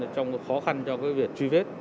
trong khó khăn cho việc truy vết